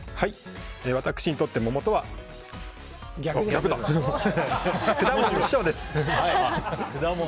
私にとっても桃とは果物の師匠です。